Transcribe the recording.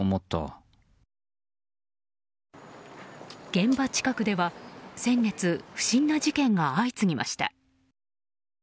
現場近くでは先月、不審な事件が相次ぎました。